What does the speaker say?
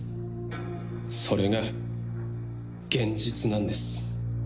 それが現実なんです。